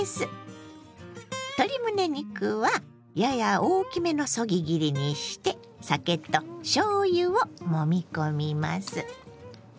鶏むね肉はやや大きめのそぎ切りにして酒としょうゆをもみ込みます。